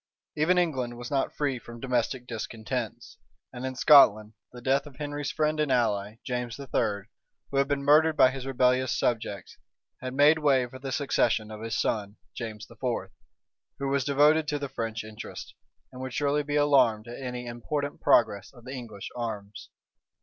Even England was not free from domestic discontents; and in Scotland, the death of Henry's friend and ally, James III., who had been murdered by his rebellious subjects, had made way for the succession of his son, James IV., who was devoted to the French interest, and would surely be alarmed at any important progress of the English arms.